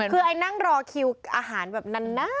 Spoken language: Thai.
คือไอ้นั่งรอคิวอาหารแบบนาน